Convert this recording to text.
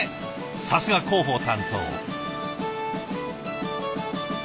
さすが広報担当。